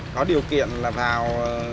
có điều kiện vào